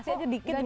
loh gak di kupas